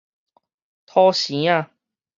土生仔